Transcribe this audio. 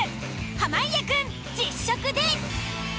濱家くん実食です！